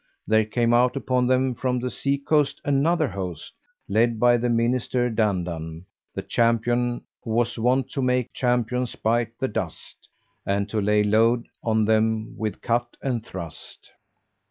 there came out upon them from the seacoast another host, led by the Minister Dandan, the champion who was wont to make champions bite the dust, and to lay load on them with cut and thrust.